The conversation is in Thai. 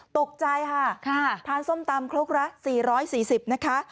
ตกใจค่ะทานส้มตำครกละ๔๔๐นะคะ